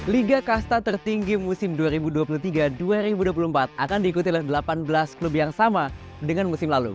liga kasta tertinggi musim dua ribu dua puluh tiga dua ribu dua puluh empat akan diikuti oleh delapan belas klub yang sama dengan musim lalu